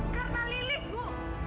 karena lilis bu